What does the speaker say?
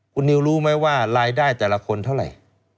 คุณนิวรู้ไหมว่ารายได้แต่ละคนเท่าไหร่